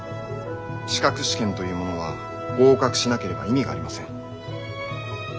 資格試験というものは合格しなければ意味がありません。